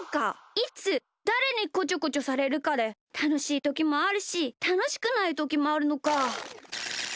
いつだれにこちょこちょされるかでたのしいときもあるしたのしくないときもあるのか。